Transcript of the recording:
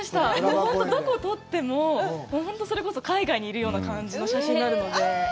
本当どこを撮っても、それこそ海外にいるような感じの写真になるので。